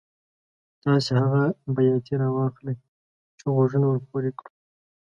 تاسې هغه بیاتي را واخلئ چې غوږونه ور پرې کړو.